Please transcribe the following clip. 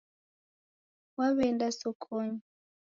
Waweenda sokonyi.